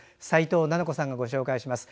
齋藤菜々子さんがご紹介します。